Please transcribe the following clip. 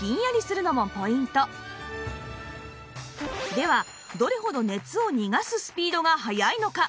ではどれほど熱を逃がすスピードが早いのか？